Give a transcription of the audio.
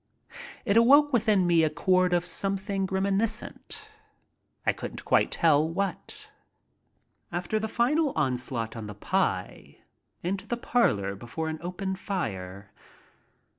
It awoke within me a chord of something reminiscent. I couldn't quite tell what. After the final onslaught on the pie, into the parlor before an open fire.